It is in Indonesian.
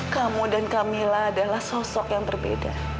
kamu dan camilla adalah sosok yang berbeda